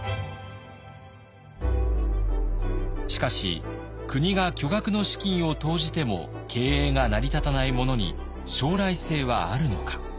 しかし国が巨額の資金を投じても経営が成り立たないものに将来性はあるのか。